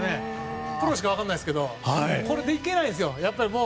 プロにしか分からないですけどこれでいけないんです。